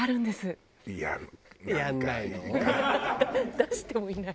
出してもいない。